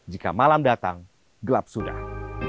jika malam datang gelap sudah